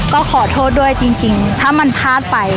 ก็ขอโทษด้วยจริงถ้ามันพลาดไป